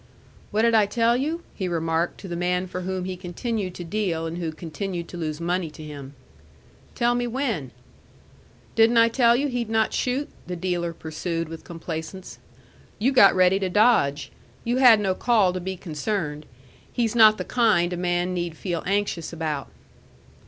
"What did I tell you?" he remarked to the man for whom he continued to deal, and who continued to lose money to him. "Tell me when?" "Didn't I tell you he'd not shoot?" the dealer pursued with complacence. "You got ready to dodge. You had no call to be concerned. He's not the kind a man need feel anxious about."